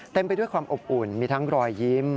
ไปด้วยความอบอุ่นมีทั้งรอยยิ้ม